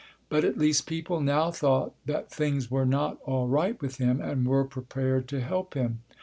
But at least people now thought that things were not all right with him and were prepared to help him.